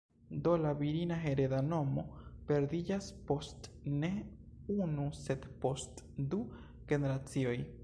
Do la virina hereda nomo perdiĝas post ne unu sed post du generacioj.